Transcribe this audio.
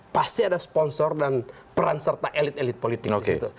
pasti ada sponsor dan peran serta elit elit politik di situ